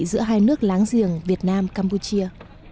giữa hai nước láng giềng việt nam campuchia